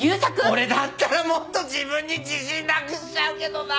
俺だったらもっと自分に自信なくしちゃうけどなぁ！